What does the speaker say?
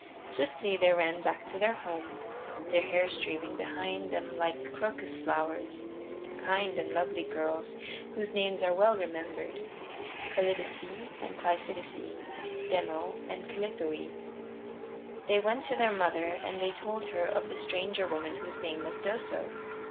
Swiftly they ran back to their home, their hair streaming behind them like crocus flowers; kind and lovely girls whose names are well remembered Callidice and Cleisidice, Demo and Callithoe. They went to their mother and they told her of the stranger woman whose name was Doso.